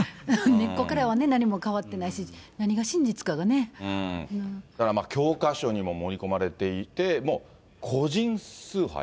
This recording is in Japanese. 根っこからは何も変わってないし、だから教科書にも盛り込まれていて、もう個人崇拝。